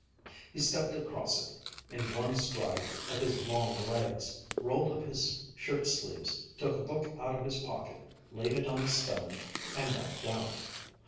He stepped across it, in one stride of his long legs, rolled up his shirt sleeves, took a book out of his pocket, laid it on a stone, and knelt down.